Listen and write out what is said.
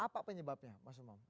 apa penyebabnya mas umam